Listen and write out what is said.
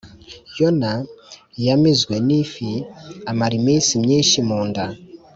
Yona ya mizwe nifi amara iy’iminsi myinshi mu nda